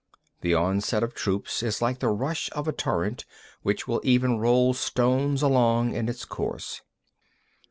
12. The onset of troops is like the rush of a torrent which will even roll stones along in its course.